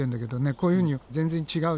こういうふうに全然違うでしょ。